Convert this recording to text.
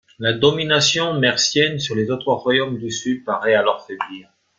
La domination mercienne sur les autres royaumes du sud paraît alors faiblir.